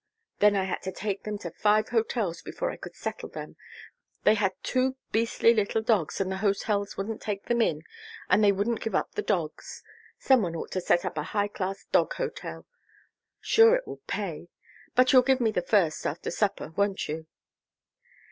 Then I had to take them to five hotels before I could settle them. They had two beastly little dogs and the hotels wouldn't take them in and they wouldn't give up the dogs. Some one ought to set up a high class dog hotel. Sure it would pay. But you'll give me the first after supper, won't you?"